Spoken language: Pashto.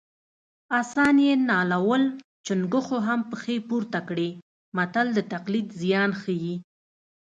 اسان یې نالول چونګښو هم پښې پورته کړې متل د تقلید زیان ښيي